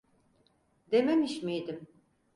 Dememiş miydim?